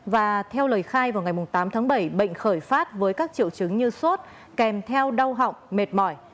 và theo lời khai vào ngày tám tháng bảy bệnh khởi phát với các triệu chứng như sốt kèm theo đau họng mệt mỏi